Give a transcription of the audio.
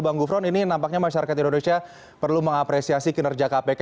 bang gufron ini nampaknya masyarakat indonesia perlu mengapresiasi kinerja kpk